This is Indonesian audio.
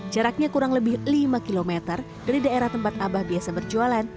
jaraknya kurang lebih lima km dari daerah tempat abah biasa berjualan